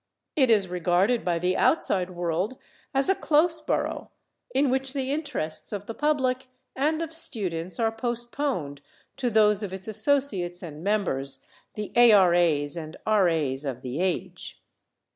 It is regarded by the outside world as a close borough, in which the interests of the public and of students are postponed to those of its Associates and Members, the A.R.A.'s and R.A.'s of the age.